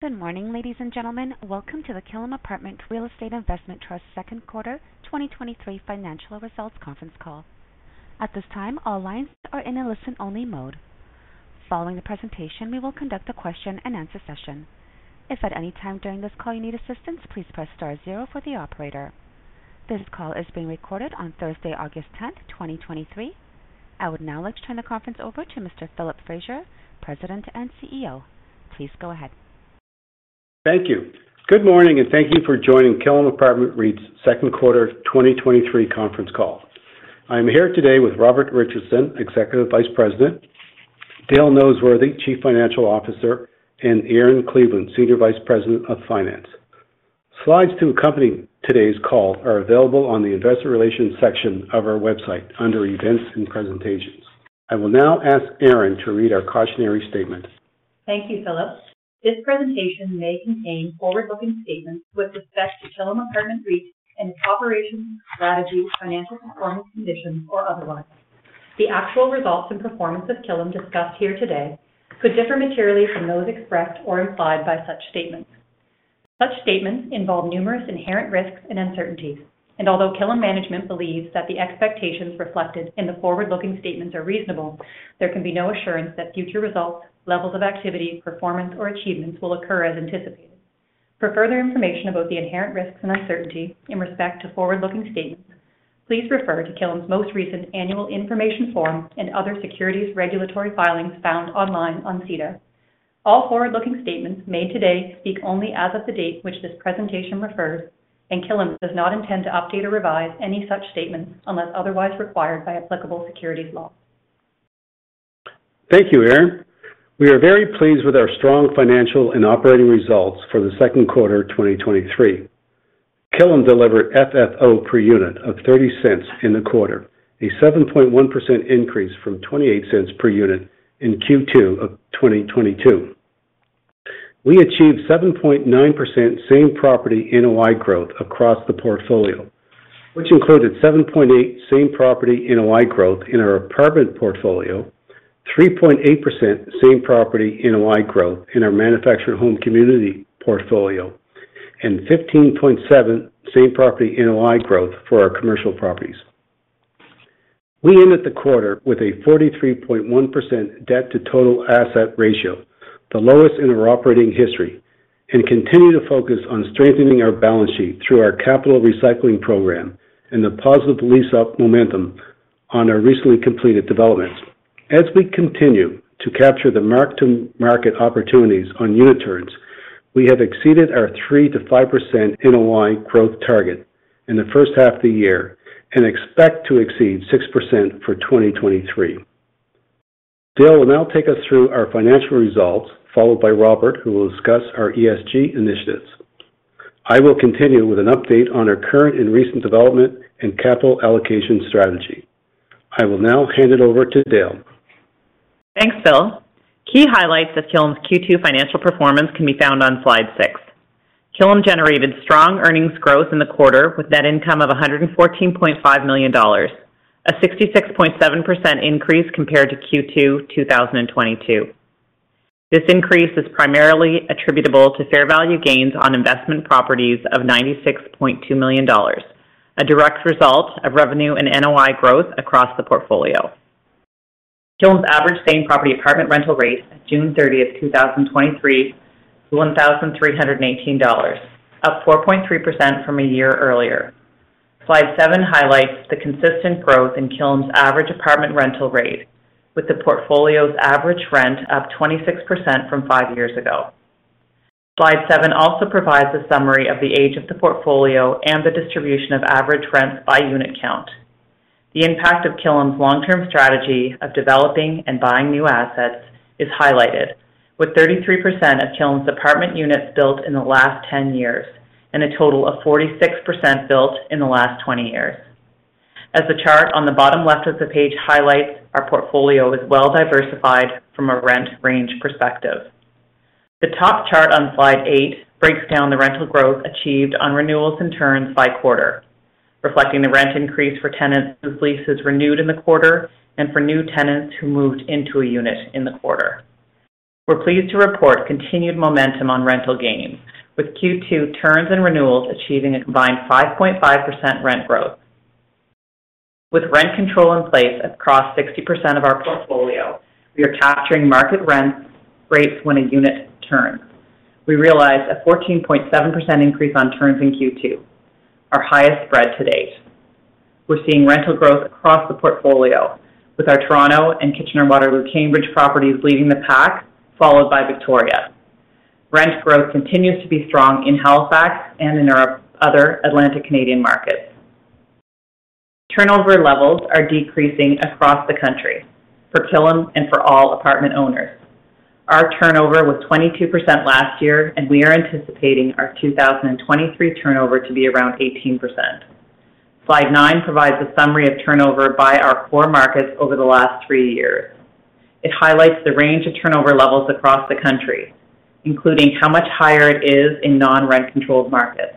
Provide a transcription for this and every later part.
Good morning, ladies and gentlemen. Welcome to the Killam Apartment Real Estate Investment Trust Second Quarter 2023 Financial Results Conference Call. At this time, all lines are in a listen-only mode. Following the presentation, we will conduct a question-and-answer session. If at any time during this call you need assistance, please press star zero for the operator. This call is being recorded on Thursday, August 10, 2023. I would now like to turn the conference over to Mr. Philip Fraser, President and CEO. Please go ahead. Thank you. Good morning, and thank you for joining Killam Apartment REIT's Second Quarter 2023 Conference Call. I am here today with Robert Richardson, Executive Vice President; Dale Noseworthy, Chief Financial Officer; and Erin Cleveland, Senior Vice President of Finance. Slides to accompany today's call are available on the Investor Relations section of our website under Events and Presentations. I will now ask Erin to read our cautionary statement. Thank you, Philip. This presentation may contain forward-looking statements with respect to Killam Apartment REIT's intraoperational strategy, financial performance conditions, or otherwise. The actual results and performance of Killam discussed here today could differ materially from those expressed or implied by such statements. Such statements involve numerous inherent risks and uncertainties, and although Killam management believes that the expectations reflected in the forward-looking statements are reasonable, there can be no assurance that future results, levels of activity, performance, or achievements will occur as anticipated. For further information about the inherent risks and uncertainty in respect to forward-looking statements, please refer to Killam's most recent annual information form and other securities regulatory filings found online on SEDAR. All forward-looking statements made today speak only as of the date which this presentation refers. Killam does not intend to update or revise any such statements unless otherwise required by applicable securities law. Thank you, Erin. We are very pleased with our strong financial and operating results for the second quarter 2023. Killam delivered FFO per unit of 0.30 in the quarter, a 7.1% increase from 0.28 per unit in Q2 of 2022. We achieved 7.9% same property NOI growth across the portfolio, which included 7.8% same property NOI growth in our apartment portfolio, 3.8% same property NOI growth in our manufactured home community portfolio, and 15.7% same property NOI growth for our commercial properties. We ended the quarter with a 43.1% debt-to-total asset ratio, the lowest in our operating history, and continue to focus on strengthening our balance sheet through our capital recycling program and the positive lease-up momentum on our recently completed developments. As we continue to capture the mark-to-market opportunities on unit turns, we have exceeded our 3%-5% NOI growth target in the first half of the year and expect to exceed 6% for 2023. Dale will now take us through our financial results, followed by Robert, who will discuss our ESG initiatives. I will continue with an update on our current and recent development and capital allocation strategy. I will now hand it over to Dale. Thanks, Phil. Key highlights of Killam's Q2 financial performance can be found on slide 6. Killam generated strong earnings growth in the quarter with net income of 114.5 million dollars, a 66.7% increase compared to Q2 2022. This increase is primarily attributable to fair value gains on investment properties of 96.2 million dollars, a direct result of revenue and NOI growth across the portfolio. Killam's average same property apartment rental rate at June 30th, 2023, was 1,318 dollars, up 4.3% from a year earlier. Slide 7 highlights the consistent growth in Killam's average apartment rental rate, with the portfolio's average rent up 26% from five years ago. Slide 7 also provides a summary of the age of the portfolio and the distribution of average rents by unit count. The impact of Killam's long-term strategy of developing and buying new assets is highlighted, with 33% of Killam's apartment units built in the last 10 years and a total of 46% built in the last 20 years. As the chart on the bottom left of the page highlights, our portfolio is well diversified from a rent range perspective. The top chart on slide 8 breaks down the rental growth achieved on renewals and turns by quarter, reflecting the rent increase for tenants whose leases renewed in the quarter and for new tenants who moved into a unit in the quarter. We're pleased to report continued momentum on rental gains, with Q2 turns and renewals achieving a combined 5.5% rent growth. With rent control in place across 60% of our portfolio, we are capturing market rent rates when a unit turns. We realized a 14.7% increase on turns in Q2, our highest spread to date. We're seeing rental growth across the portfolio, with our Toronto and Kitchener-Cambridge-Waterloo properties leading the pack, followed by Victoria. Rent growth continues to be strong in Halifax and in our other Atlantic Canadian markets. Turnover levels are decreasing across the country for Killam and for all apartment owners. Our turnover was 22% last year, and we are anticipating our 2023 turnover to be around 18%. Slide 9 provides a summary of turnover by our core markets over the last three years. It highlights the range of turnover levels across the country, including how much higher it is in non-rent-controlled markets.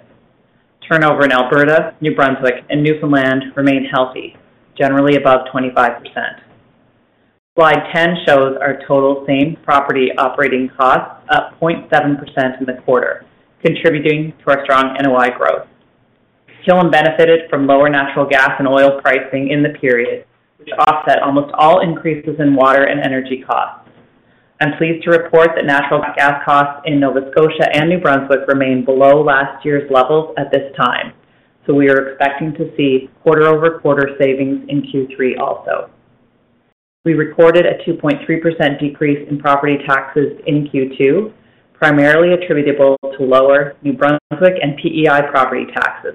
Turnover in Alberta, New Brunswick, and Newfoundland remains healthy, generally above 25%. Slide 10 shows our total same property operating costs up 0.7% in the quarter, contributing to our strong NOI growth. Killam benefited from lower natural gas and oil pricing in the period, which offset almost all increases in water and energy costs. I'm pleased to report that natural gas costs in Nova Scotia and New Brunswick remain below last year's levels at this time. We are expecting to see quarter-over-quarter savings in Q3 also. We recorded a 2.3% decrease in property taxes in Q2, primarily attributable to lower New Brunswick and PEI property taxes.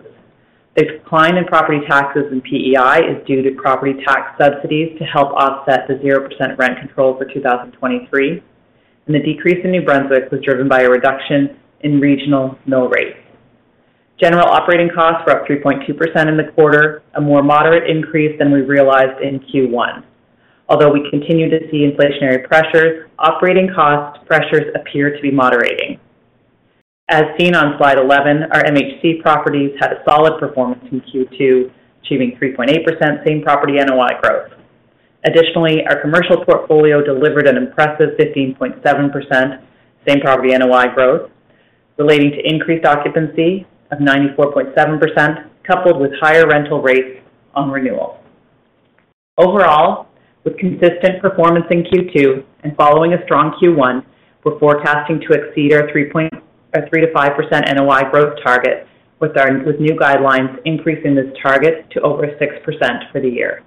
The decline in property taxes and PEI is due to property tax subsidies to help offset the 0% rent control for 2023. The decrease in New Brunswick was driven by a reduction in regional mill rates. General operating costs were up 3.2% in the quarter, a more moderate increase than we realized in Q1. Although we continue to see inflationary pressures, operating cost pressures appear to be moderating. As seen on slide 11, our MHC properties had a solid performance in Q2, achieving 3.8% same property NOI growth. Additionally, our commercial portfolio delivered an impressive 15.7% same property NOI growth, relating to increased occupancy of 94.7% coupled with higher rental rates on renewal. Overall, with consistent performance in Q2 and following a strong Q1, we're forecasting to exceed our 3%-5% NOI growth target, with new guidelines increasing this target to over 6% for the year.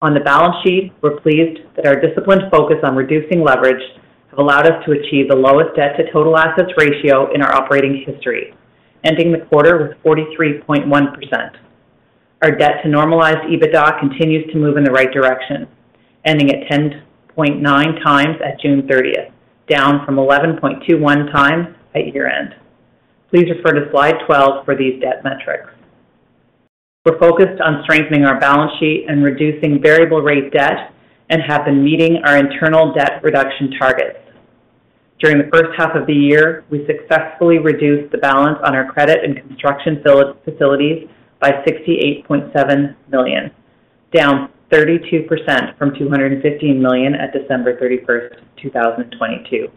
On the balance sheet, we're pleased that our disciplined focus on reducing leverage has allowed us to achieve the lowest debt-to-total assets ratio in our operating history, ending the quarter with 43.1%. Our debt-to-normalized EBITDA continues to move in the right direction, ending at 10.9 times at June 30th, down from 11.21 times at year-end. Please refer to slide 12 for these debt metrics. We're focused on strengthening our balance sheet and reducing variable-rate debt and have been meeting our internal debt reduction targets. During the first half of the year, we successfully reduced the balance on our credit and construction facilities by 68.7 million, down 32% from 215 million at December 31, 2022.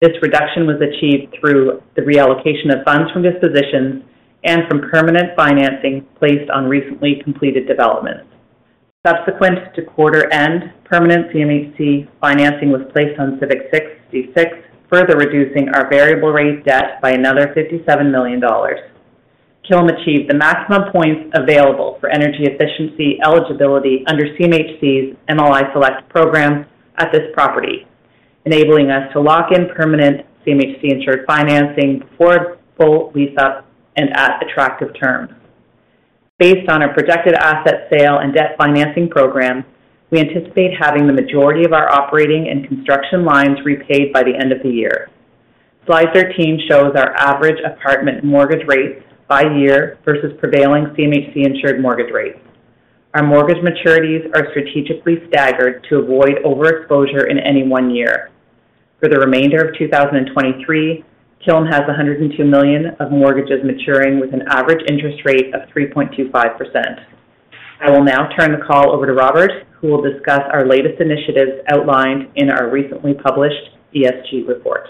This reduction was achieved through the reallocation of funds from dispositions and from permanent financing placed on recently completed developments. Subsequent to quarter-end, permanent CMHC financing was placed on Civic 66, further reducing our variable-rate debt by another 57 million dollars. Killam achieved the maximum points available for energy efficiency eligibility under CMHC's MLI Select program at this property, enabling us to lock in permanent CMHC-insured financing before full lease-up and at attractive terms. Based on our projected asset sale and debt financing program, we anticipate having the majority of our operating and construction lines repaid by the end of the year. Slide 13 shows our average apartment mortgage rates by year versus prevailing CMHC-insured mortgage rates. Our mortgage maturities are strategically staggered to avoid overexposure in any one year. For the remainder of 2023, Killam has 102 million of mortgages maturing with an average interest rate of 3.25%. I will now turn the call over to Robert, who will discuss our latest initiatives outlined in our recently published ESG report.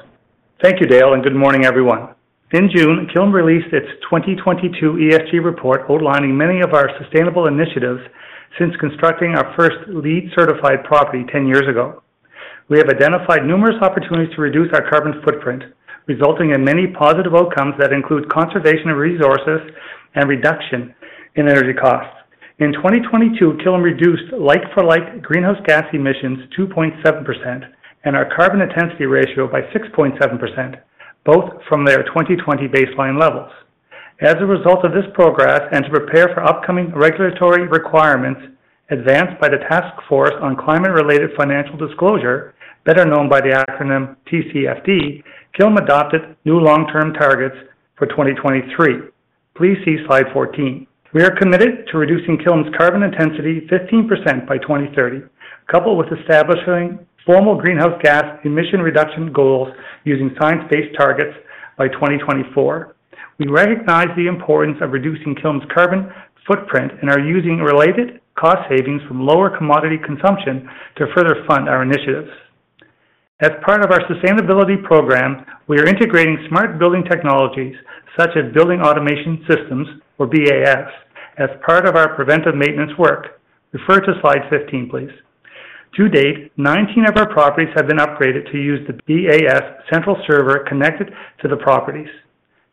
Thank you, Dale, and good morning, everyone. In June, Killam released its 2022 ESG report outlining many of our sustainable initiatives since constructing our first LEED-certified property 10 years ago. We have identified numerous opportunities to reduce our carbon footprint, resulting in many positive outcomes that include conservation of resources and reduction in energy costs. In 2022, Killam reduced like-for-like greenhouse gas emissions 2.7% and our carbon intensity ratio by 6.7%, both from their 2020 baseline levels. As a result of this progress and to prepare for upcoming regulatory requirements advanced by the Task Force on Climate-related Financial Disclosures, better known by the acronym TCFD, Killam adopted new long-term targets for 2023. Please see slide 14. We are committed to reducing Killam's carbon intensity 15% by 2030, coupled with establishing formal greenhouse gas emission reduction goals using science-based targets by 2024. We recognize the importance of reducing Killam's carbon footprint and are using related cost savings from lower commodity consumption to further fund our initiatives. As part of our sustainability program, we are integrating smart building technologies such as Building Automation Systems, or BAS, as part of our preventive maintenance work. Refer to slide 15, please. To date, 19 of our properties have been upgraded to use the BAS central server connected to the properties.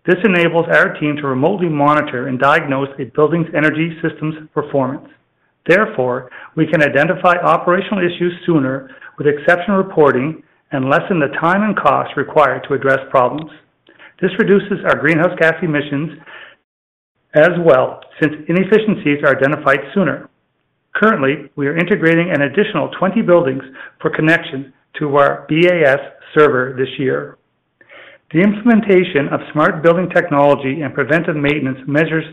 This enables our team to remotely monitor and diagnose a building's energy systems performance. Therefore, we can identify operational issues sooner with exception reporting and lessen the time and cost required to address problems. This reduces our greenhouse gas emissions as well since inefficiencies are identified sooner. Currently, we are integrating an additional 20 buildings for connection to our BAS server this year. The implementation of smart building technology and preventive maintenance measures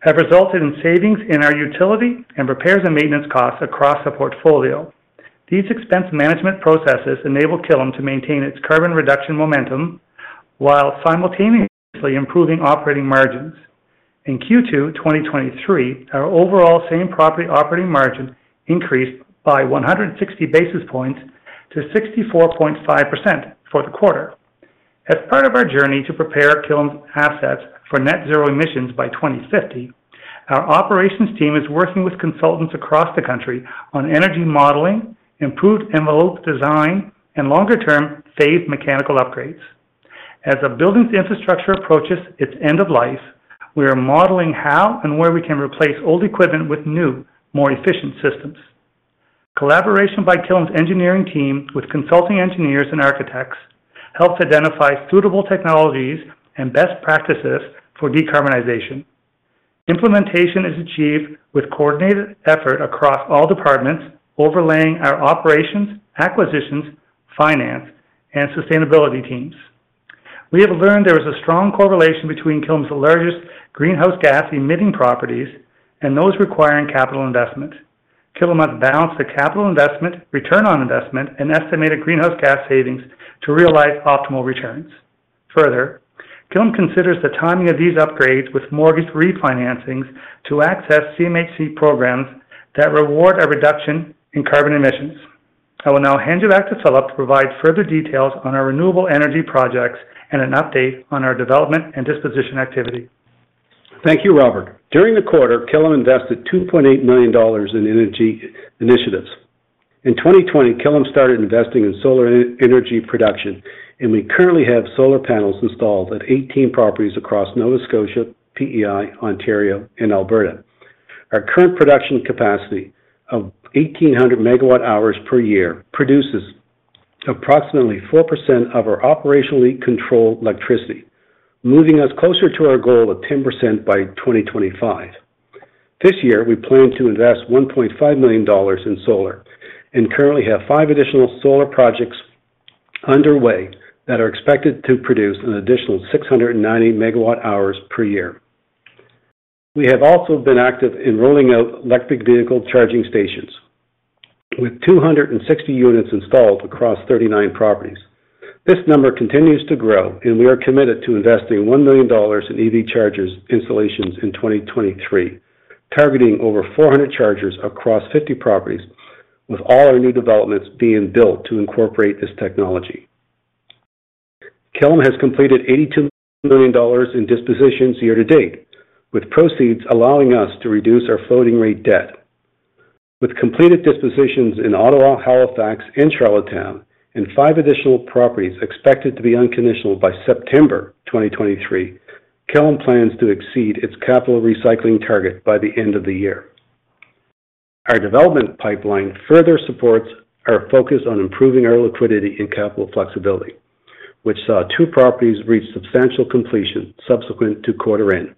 have resulted in savings in our utility and repairs and maintenance costs across the portfolio. These expense management processes enable Killam to maintain its carbon reduction momentum while simultaneously improving operating margins. In Q2 2023, our overall same property operating margin increased by 160 basis points to 64.5% for the quarter. As part of our journey to prepare Killam's assets for net-zero emissions by 2050, our operations team is working with consultants across the country on energy modeling, improved envelope design, and longer-term phase mechanical upgrades. As a building's infrastructure approaches its end of life, we are modeling how and where we can replace old equipment with new, more efficient systems. Collaboration by Killam's engineering team with consulting engineers and architects helps identify suitable technologies and best practices for decarbonization. Implementation is achieved with coordinated effort across all departments overlaying our operations, acquisitions, finance, and sustainability teams. We have learned there is a strong correlation between Killam's largest greenhouse gas emitting properties and those requiring capital investment. Killam has balanced the capital investment, return on investment, and estimated greenhouse gas savings to realize optimal returns. Killam considers the timing of these upgrades with mortgage refinancings to access CMHC programs that reward a reduction in carbon emissions. I will now hand you back to Philip to provide further details on our renewable energy projects and an update on our development and disposition activity. Thank you, Robert. During the quarter, Killam invested 2.8 million dollars in energy initiatives. In 2020, Killam started investing in solar energy production. We currently have solar panels installed at 18 properties across Nova Scotia, PEI, Ontario, and Alberta. Our current production capacity of 1,800 megawatt-hours per year produces approximately 4% of our operationally controlled electricity, moving us closer to our goal of 10% by 2025. This year, we plan to invest 1.5 million dollars in solar and currently have five additional solar projects underway that are expected to produce an additional 690 megawatt-hours per year. We have also been active in rolling out electric vehicle charging stations, with 260 units installed across 39 properties. This number continues to grow. We are committed to investing 1 million dollars in EV chargers installations in 2023, targeting over 400 chargers across 50 properties, with all our new developments being built to incorporate this technology. Killam has completed 82 million dollars in dispositions year to date, with proceeds allowing us to reduce our floating-rate debt. With completed dispositions in Ottawa, Halifax, and Charlottetown, and five additional properties expected to be unconditional by September 2023, Killam plans to exceed its capital recycling target by the end of the year. Our development pipeline further supports our focus on improving our liquidity and capital flexibility, which saw two properties reach substantial completion subsequent to quarter-end.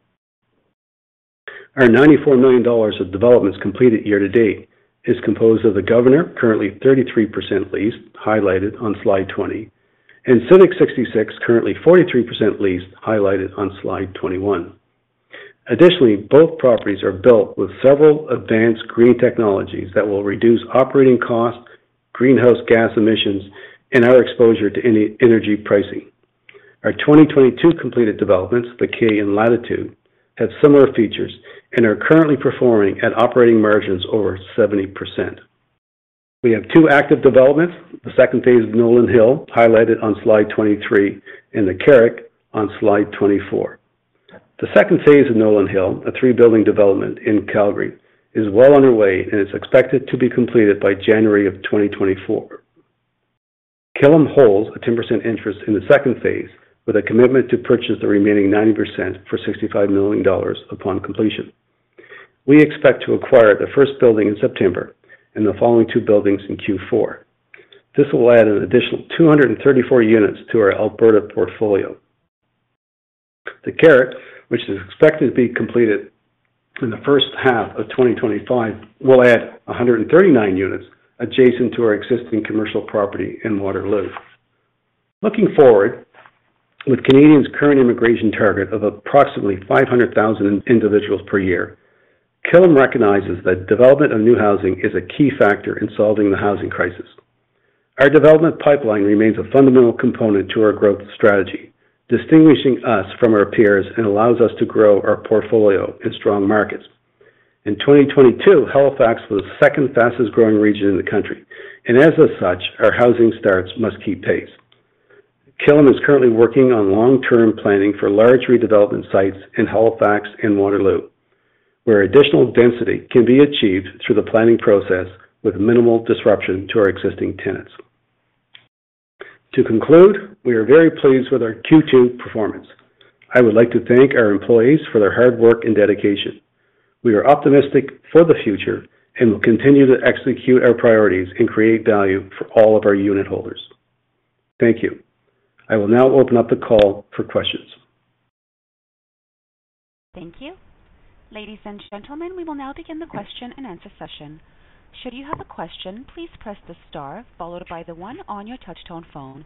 Our 94 million dollars of developments completed year to date is composed of The Governor, currently 33% leased, highlighted on slide 20, and Civic 66, currently 43% leased, highlighted on slide 21. Additionally, both properties are built with several advanced green technologies that will reduce operating costs, greenhouse gas emissions, and our exposure to energy pricing. Our 2022 completed developments, The Kay and Latitude, have similar features and are currently performing at operating margins over 70%. We have two active developments, the second phase of Nolan Hill, highlighted on slide 23, and The Carrick on slide 24. The second phase of Nolan Hill, a three-building development in Calgary, is well underway and is expected to be completed by January of 2024. Killam holds a 10% interest in the second phase, with a commitment to purchase the remaining 90% for 65 million dollars upon completion. We expect to acquire the first building in September and the following two buildings in Q4. This will add an additional 234 units to our Alberta portfolio. The Carrick, which is expected to be completed in the first half of 2025, will add 139 units adjacent to our existing commercial property in Waterloo. Looking forward, with Canadians' current immigration target of approximately 500,000 individuals per year, Killam recognizes that development of new housing is a key factor in solving the housing crisis. Our development pipeline remains a fundamental component to our growth strategy, distinguishing us from our peers and allows us to grow our portfolio in strong markets. In 2022, Halifax was the second fastest-growing region in the country, and as such, our housing starts must keep pace. Killam is currently working on long-term planning for large redevelopment sites in Halifax and Waterloo, where additional density can be achieved through the planning process with minimal disruption to our existing tenants. To conclude, we are very pleased with our Q2 performance. I would like to thank our employees for their hard work and dedication. We are optimistic for the future and will continue to execute our priorities and create value for all of our unit holders. Thank you. I will now open up the call for questions. Thank you. Ladies and gentlemen, we will now begin the question and answer session. Should you have a question, please press the star followed by the one on your touchtone phone.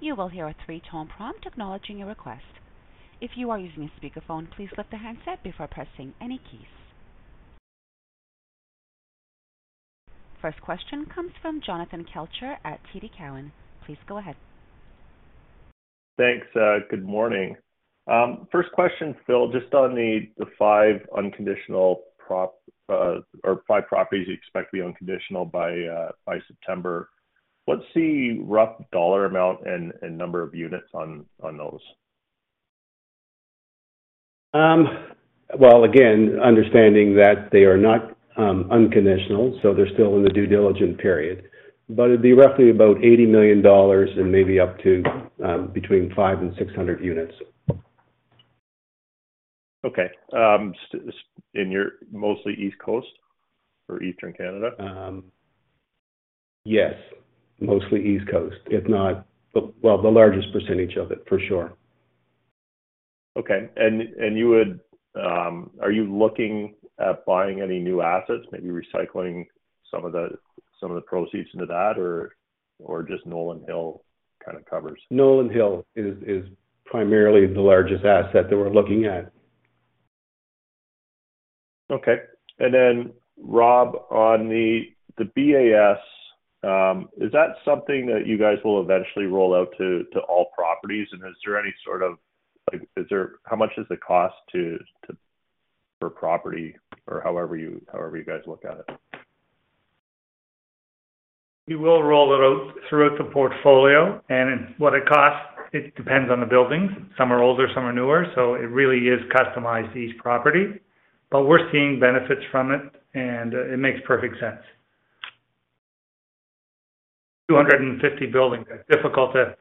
You will hear a three-tone prompt acknowledging your request. If you are using a speakerphone, please lift the handset before pressing any keys. First question comes from Jonathan Kelcher at TD Cowen. Please go ahead. Thanks. Good morning. First question, Phil, just on the five unconditional properties you expect to be unconditional by September, what's the rough dollar amount and number of units on those? Well, again, understanding that they are not unconditional, so they're still in the due diligence period, but it'd be roughly about $80 million and maybe up to between 500 and 600 units. Okay. You're mostly East Coast or Eastern Canada? Yes, mostly East Coast, if not the largest percentage of it, for sure. Okay. Are you looking at buying any new assets, maybe recycling some of the proceeds into that, or just Nolan Hill kind of covers? Nolan Hill is primarily the largest asset that we're looking at. Okay. Rob, on the BAS, is that something that you guys will eventually roll out to all properties, and is there any sort of how much does it cost per property or however you guys look at it? We will roll it out throughout the portfolio. What it costs, it depends on the buildings. Some are older, some are newer. It really is customized to each property. We're seeing benefits from it, and it makes perfect sense. 250 buildings, difficult to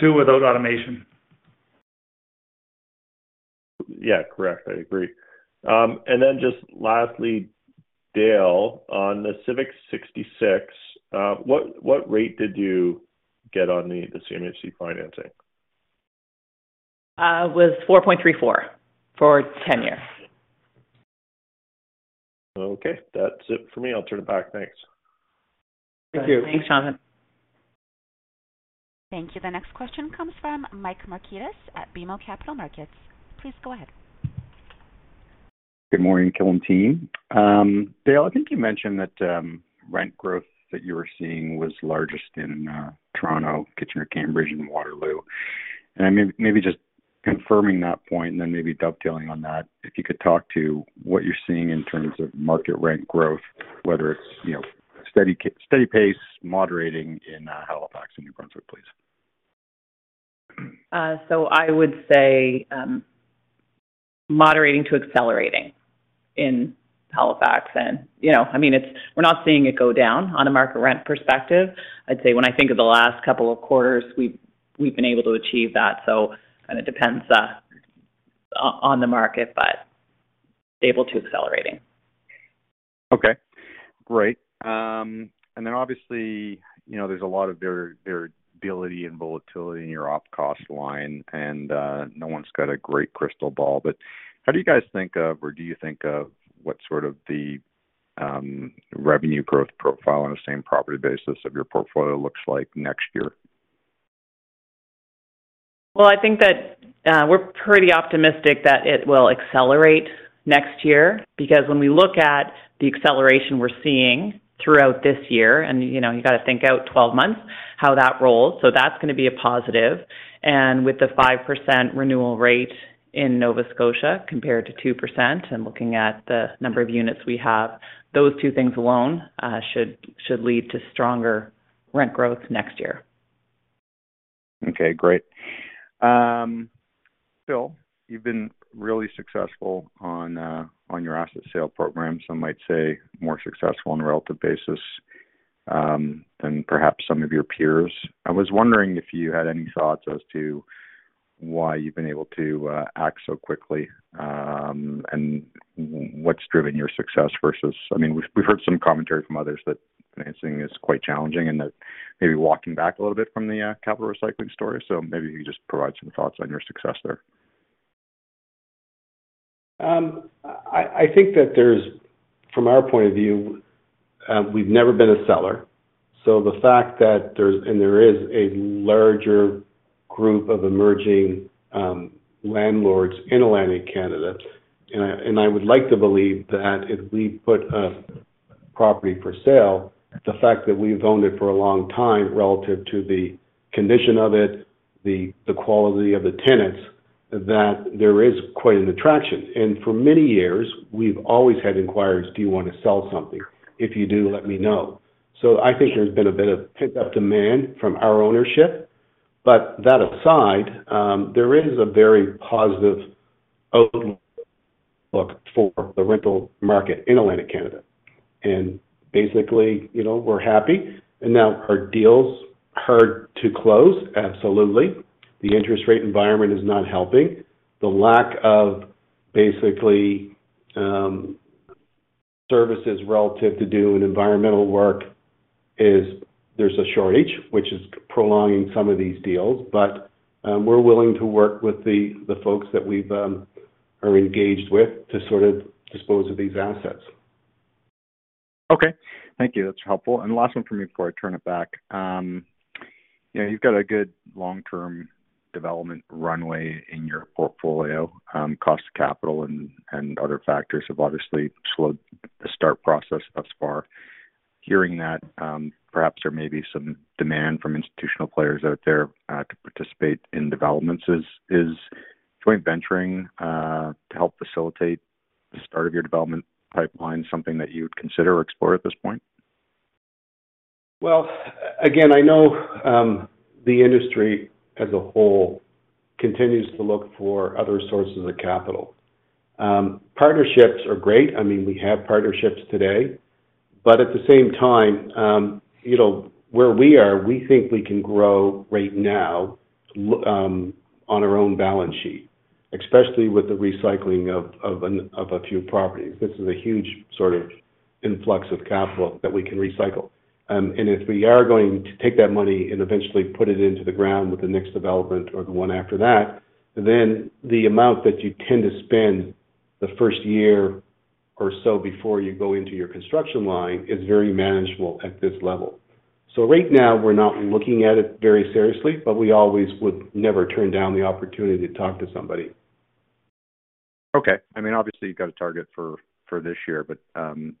do without automation. Yeah, correct. I agree. Then just lastly, Dale, on the Civic 66, what rate did you get on the CMHC financing? It was 4.34 for 10 years. Okay. That's it for me. I'll turn it back. Thanks. Thank you. Thanks, Jonathan. Thank you. The next question comes from Michael Markidis at BMO Capital Markets. Please go ahead. Good morning, Killam team. Dale, I think you mentioned that rent growth that you were seeing was largest in Toronto, Kitchener Cambridge, and Waterloo. I'm maybe just confirming that point and then maybe dovetailing on that. If you could talk to what you're seeing in terms of market rent growth, whether it's steady pace, moderating in Halifax and New Brunswick, please? I would say moderating to accelerating in Halifax. I mean, we're not seeing it go down on a market rent perspective. I'd say when I think of the last couple of quarters, we've been able to achieve that. Kind of depends on the market, but stable to accelerating. Okay. Great. Obviously, there's a lot of variability and volatility in your OpEx line, and no one's got a great crystal ball. How do you guys think of, or do you think of, what sort of the revenue growth profile on the same property basis of your portfolio looks like next year? Well, I think that we're pretty optimistic that it will accelerate next year because when we look at the acceleration we're seeing throughout this year, and you got to think out 12 months, how that rolls, so that's going to be a positive. With the 5% renewal rate in Nova Scotia compared to 2% and looking at the number of units we have, those two things alone should lead to stronger rent growth next year. Okay. Great. Phil, you've been really successful on your asset sale program. Some might say more successful on a relative basis than perhaps some of your peers. I was wondering if you had any thoughts as to why you've been able to act so quickly and what's driven your success versus I mean, we've heard some commentary from others that financing is quite challenging and that maybe walking back a little bit from the capital recycling story. Maybe you could just provide some thoughts on your success there. I think that there's, from our point of view, we've never been a seller. The fact that there's and there is a larger group of emerging landlords in Atlantic Canada, and I would like to believe that if we put a property for sale, the fact that we've owned it for a long time relative to the condition of it, the quality of the tenants, that there is quite an attraction. For many years, we've always had inquiries, "Do you want to sell something? If you do, let me know." I think there's been a bit of pent-up demand from our ownership. That aside, there is a very positive outlook for the rental market in Atlantic Canada. Basically, we're happy. Now our deals hurt to close, absolutely. The interest rate environment is not helping. The lack of basically services relative to doing environmental work is there's a shortage, which is prolonging some of these deals. We're willing to work with the folks that we've engaged with to sort of dispose of these assets. Okay. Thank you. That's helpful. The last one from you before I turn it back. You've got a good long-term development runway in your portfolio. Cost of capital and other factors have obviously slowed the start process thus far. Hearing that, perhaps there may be some demand from institutional players out there to participate in developments. Is joint venturing to help facilitate the start of your development pipeline something that you consider or explore at this point? Well, again, I know the industry as a whole continues to look for other sources of capital. Partnerships are great. I mean, we have partnerships today. At the same time, where we are, we think we can grow right now on our own balance sheet, especially with the recycling of a few properties. This is a huge sort of influx of capital that we can recycle. If we are going to take that money and eventually put it into the ground with the next development or the one after that, then the amount that you tend to spend the first year or so before you go into your construction line is very manageable at this level. Right now, we're not looking at it very seriously, but we always would never turn down the opportunity to talk to somebody. Okay. I mean, obviously, you've got a target for this year, but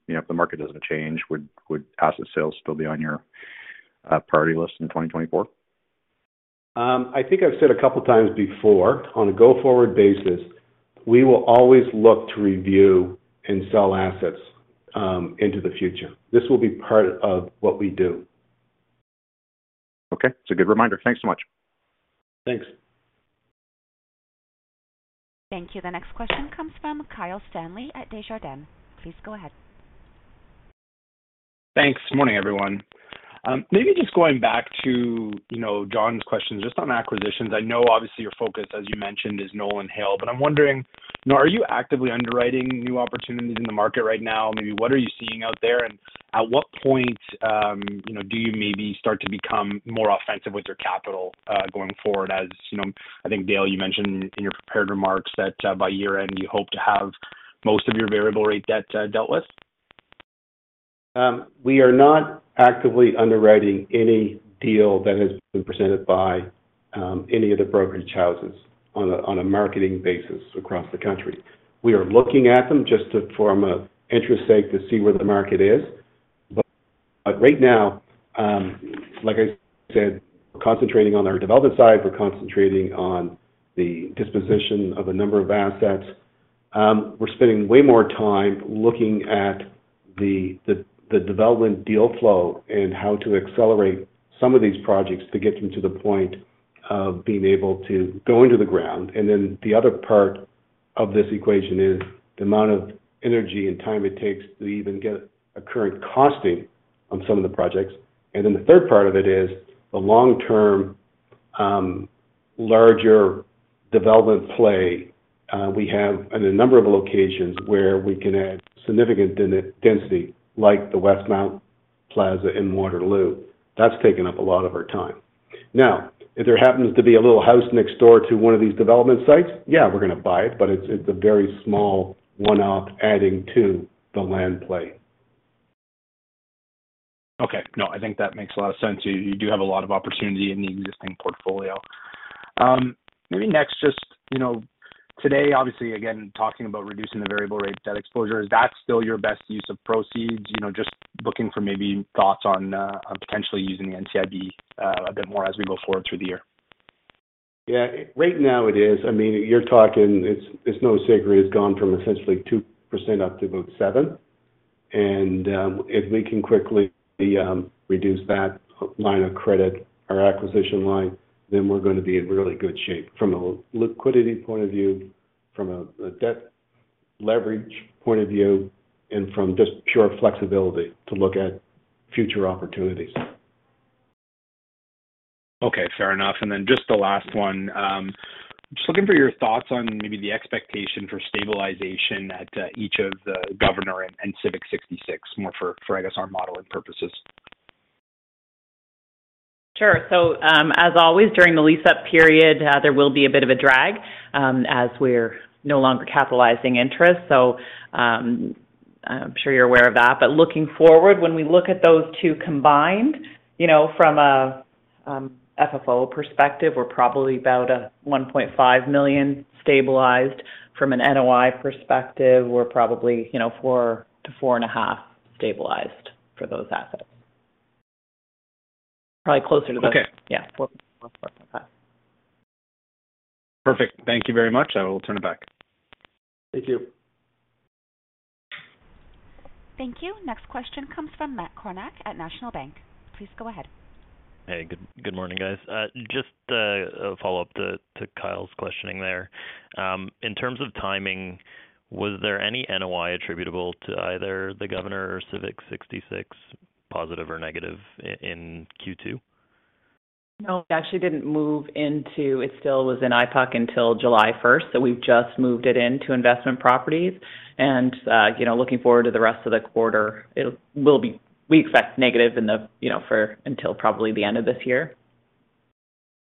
if the market doesn't change, would asset sales still be on your priority list in 2024? I think I've said a couple of times before, on a go-forward basis, we will always look to review and sell assets into the future. This will be part of what we do. Okay. It's a good reminder. Thanks so much. Thanks. Thank you. The next question comes from Kyle Stanley at Desjardins. Please go ahead. Thanks. Morning, everyone. Maybe just going back to John's questions just on acquisitions. I know obviously your focus, as you mentioned, is Nolan Hill, but I'm wondering, are you actively underwriting new opportunities in the market right now? Maybe what are you seeing out there, and at what point do you maybe start to become more offensive with your capital going forward? As I think, Dale, you mentioned in your prepared remarks that by year-end, you hope to have most of your variable-rate debt dealt with. We are not actively underwriting any deal that has been presented by any of the brokerage houses on a marketing basis across the country. We are looking at them just for interest's sake to see where the market is. Right now, like I said, concentrating on our development side, we're concentrating on the disposition of a number of assets. We're spending way more time looking at the development deal flow and how to accelerate some of these projects to get them to the point of being able to go into the ground. The other part of this equation is the amount of energy and time it takes to even get a current costing on some of the projects. The third part of it is the long-term, larger development play. We have a number of locations where we can add significant density, like the Westmount Place in Waterloo. That's taken up a lot of our time. Now, if there happens to be a little house next door to one of these development sites, yeah, we're going to buy it. It's a very small one-off adding to the land play. Okay. I think that makes a lot of sense. You do have a lot of opportunity in the existing portfolio. Maybe next, just today, obviously, again, talking about reducing the variable-rate debt exposure, is that still your best use of proceeds? Just looking for maybe thoughts on potentially using the NCIB a bit more as we go forward through the year. Yeah. Right now, it is. I mean, you're talking it's no secret. It's gone from essentially 2% up to about 7%. If we can quickly reduce that line of credit, our acquisition line, then we're going to be in really good shape from a liquidity point of view, from a debt leverage point of view, and from just pure flexibility to look at future opportunities. Okay. Fair enough. Just the last one, just looking for your thoughts on maybe the expectation for stabilization at each of The Governor and Civic 66, more for, I guess, our modeling purposes. As always, during the lease-up period, there will be a bit of a drag as we're no longer capitalizing interest. I'm sure you're aware of that. Looking forward, when we look at those two combined, from an FFO perspective, we're probably about 1.5 million stabilized. From an NOI perspective, we're probably 4 million-4.5 million stabilized for those assets. Probably closer to the yeah, we'll work on that. Perfect. Thank you very much. I will turn it back. Thank you. Thank you. Next question comes from Matt Kornack at National Bank. Please go ahead. Hey, good morning, guys. Just a follow-up to Kyle's questioning there. In terms of timing, was there any NOI attributable to either The Governor or Civic 66, positive or negative, in Q2? No, it actually didn't move into it still was in IPOC until July 1st. We've just moved it into investment properties. Looking forward to the rest of the quarter, it will be we expect negative until probably the end of this year.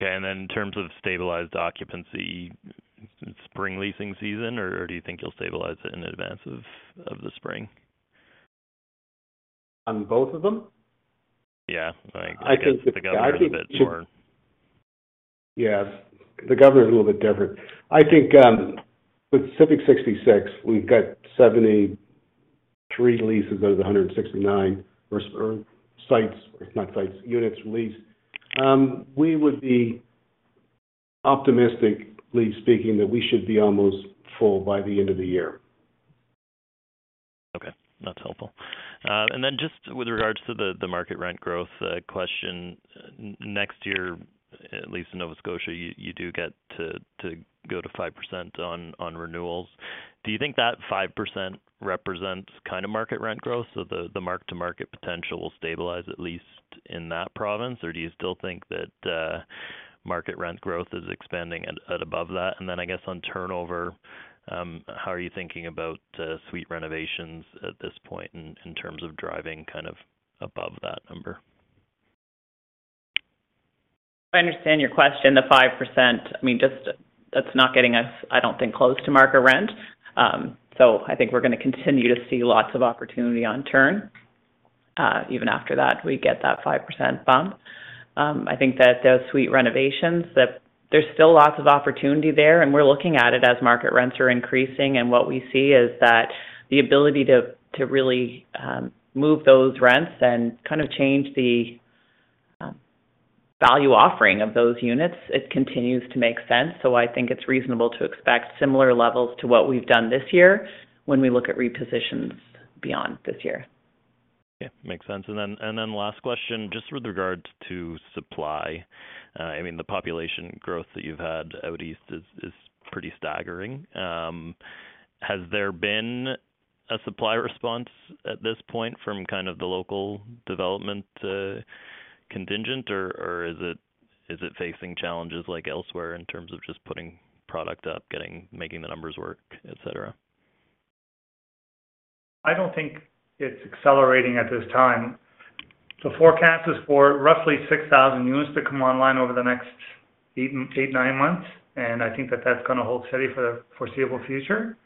Okay. Then in terms of stabilized occupancy, spring leasing season, or do you think you'll stabilize it in advance of the spring? On both of them? Yeah. I think The Governor is a bit more. Yeah. The Governor is a little bit different. I think with Civic 66, we've got 73 leases out of the 169 or sites, not sites, units released. We would be, optimistically speaking, that we should be almost full by the end of the year. Okay. That's helpful. Then just with regards to the market rent growth question, next year, at least in Nova Scotia, you do get to go to 5% on renewals. Do you think that 5% represents kind of market rent growth? The mark-to-market potential will stabilize at least in that province, or do you still think that market rent growth is expanding at above that? Then, I guess, on turnover, how are you thinking about suite renovations at this point in terms of driving kind of above that number? I understand your question. The 5%, I mean, just that's not getting us, I don't think, close to market rent. I think we're going to continue to see lots of opportunity on turn. Even after that, we get that 5% bump. I think that those suite renovations, there's still lots of opportunity there, and we're looking at it as market rents are increasing. What we see is that the ability to really move those rents and kind of change the value offering of those units, it continues to make sense. I think it's reasonable to expect similar levels to what we've done this year when we look at repositions beyond this year. Yeah. Makes sense. Last question, just with regards to supply, I mean, the population growth that you've had out east is pretty staggering. Has there been a supply response at this point from kind of the local development contingent, or is it facing challenges elsewhere in terms of just putting product up, making the numbers work, etc.? I don't think it's accelerating at this time. The forecast is for roughly 6,000 units to come online over the next eight, nine months. I think that that's going to hold steady for the foreseeable future.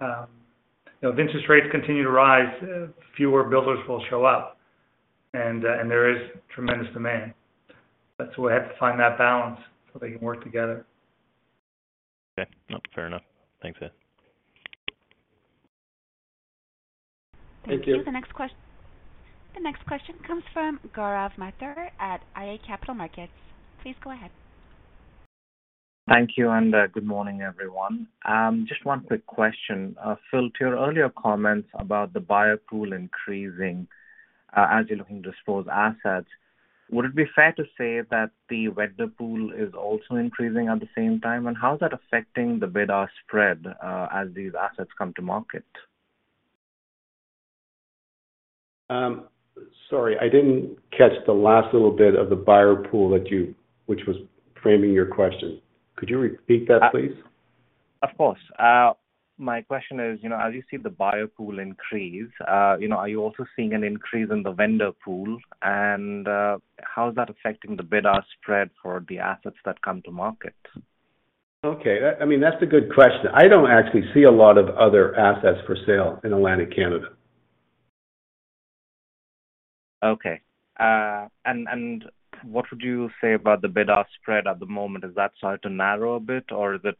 If interest rates continue to rise, fewer builders will show up. There is tremendous demand. We have to find that balance so they can work together. Okay. Fair enough. Thanks, Phil. Thank you. Thank you. The next question comes from Gaurav Mathur at iA Capital Markets. Please go ahead. Thank you, and good morning, everyone. Just one quick question. Phil, to your earlier comments about the buyer pool increasing as you're looking to dispose assets, would it be fair to say that the vendor pool is also increasing at the same time? How's that affecting the bid-ask spread as these assets come to market? Sorry, I didn't catch the last little bit of the buyer pool that you which was framing your question. Could you repeat that, please? Of course. My question is, as you see the buyer pool increase, are you also seeing an increase in the vendor pool? How's that affecting the bid-ask spread for the assets that come to market? Okay. I mean, that's a good question. I don't actually see a lot of other assets for sale in Atlantic Canada. Okay. What would you say about the bid-ask spread at the moment? Is that starting to narrow a bit, or is it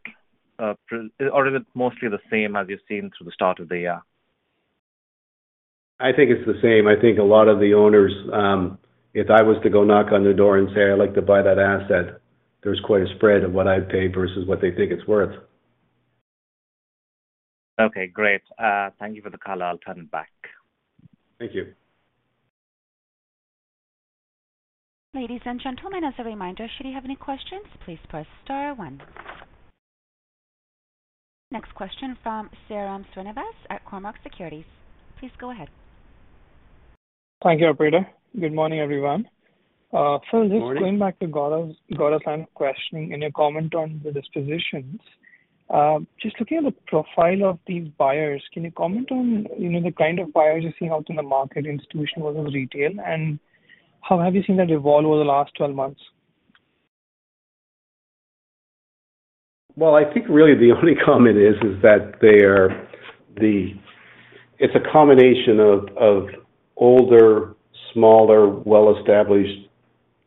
mostly the same as you've seen through the start of the year? I think it's the same. I think a lot of the owners, if I was to go knock on the door and say, "I'd like to buy that asset," there's quite a spread of what I'd pay versus what they think it's worth. Okay. Great. Thank you for the call. I'll turn it back. Thank you. Ladies and gentlemen, as a reminder, should you have any questions, please press star one. Next question from Sairam Srinivas at Cormark Securities. Please go ahead. Thank you, Operator. Good morning, everyone. Good morning. Just going back to Gaurav's line of questioning and your comment on the dispositions, just looking at the profile of the buyers, can you comment on the kind of buyers you're seeing out in the market, institutional versus retail, and how have you seen that evolve over the last 12 months? I think really the only comment is that they are the it's a combination of older, smaller, well-established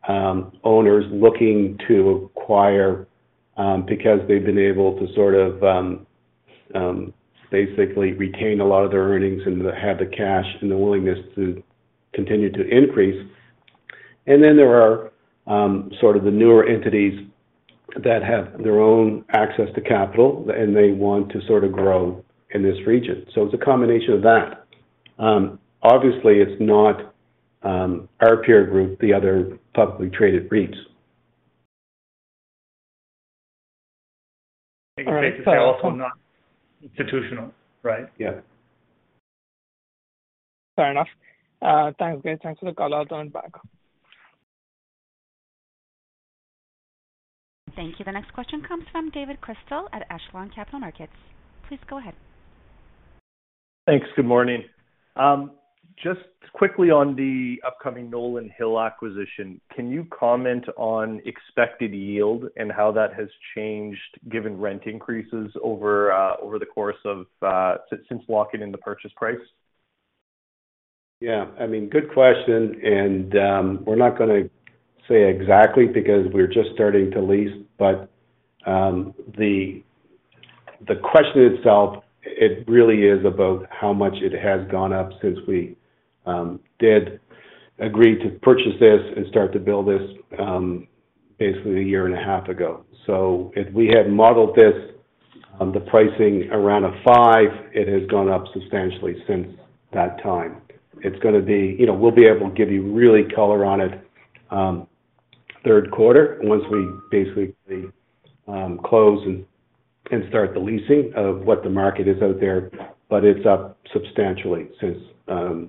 owners looking to acquire because they've been able to sort of basically retain a lot of their earnings and have the cash and the willingness to continue to increase. Then there are sort of the newer entities that have their own access to capital, and they want to sort of grow in this region. It's a combination of that. Obviously, it's not our peer group, the other publicly traded REITs. I guess REITs are also not institutional, right? Yeah. Fair enough. Thanks, guys. Thanks for the call. I'll turn it back. Thank you. The next question comes from David Cristal at Echelon Capital Markets. Please go ahead. Thanks. Good morning. Just quickly on the upcoming Nolan Hill acquisition, can you comment on expected yield and how that has changed given rent increases over the course of since locking in the purchase price? Yeah. I mean, good question. We're not going to say exactly because we're just starting to lease. The question itself, it really is about how much it has gone up since we did agree to purchase this and start to build this basically a year and a half ago. If we had modeled this, the pricing around a five, it has gone up substantially since that time. It's going to be we'll be able to give you really color on it third quarter once we basically close and start the leasing of what the market is out there. It's up substantially since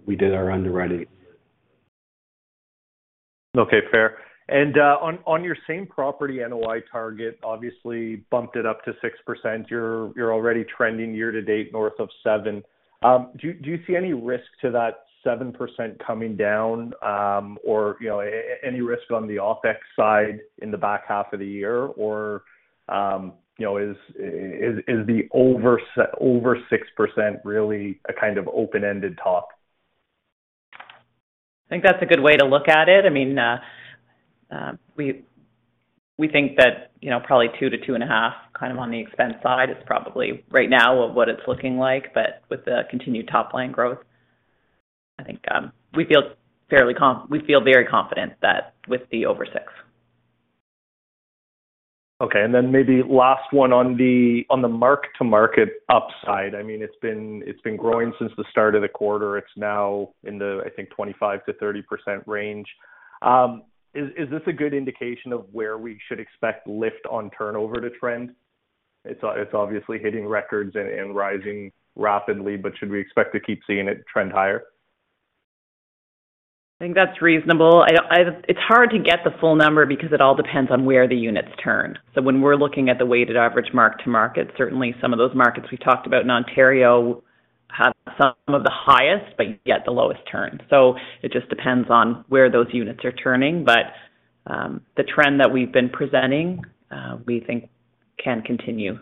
we did our underwriting. Okay. Fair. On your same property NOI target, obviously, bumped it up to 6%. You're already trending year-to-date north of 7%. Do you see any risk to that 7% coming down or any risk on the OPEX side in the back half of the year? Is the over 6% really a kind of open-ended talk? I think that's a good way to look at it. I mean, we think that probably 2%-2.5% kind of on the expense side is probably right now what it's looking like. With the continued top-line growth, I think we feel fairly we feel very confident with the over 6%. Okay. Then maybe last one on the mark-to-market upside. I mean, it's been growing since the start of the quarter. It's now in the, I think, 25%-30% range. Is this a good indication of where we should expect lift on turnover to trend? It's obviously hitting records and rising rapidly, but should we expect to keep seeing it trend higher? I think that's reasonable. It's hard to get the full number because it all depends on where the units turn. When we're looking at the weighted average mark-to-market, certainly some of those markets we've talked about in Ontario have some of the highest, but yet the lowest turn. It just depends on where those units are turning. The trend that we've been presenting, we think can continue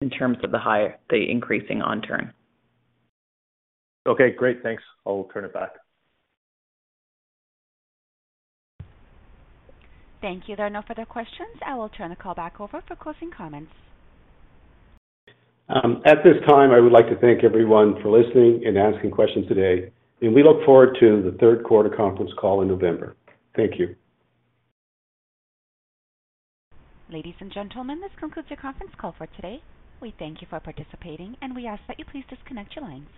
in terms of the increasing on-turn. Okay. Great. Thanks. I will turn it back. Thank you. There are no further questions. I will turn the call back over for closing comments. At this time, I would like to thank everyone for listening and asking questions today. We look forward to the third quarter conference call in November. Thank you. Ladies and gentlemen, this concludes your conference call for today. We thank you for participating, and we ask that you please disconnect your lines.